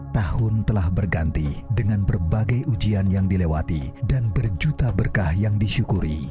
tahun telah berganti dengan berbagai ujian yang dilewati dan berjuta berkah yang disyukuri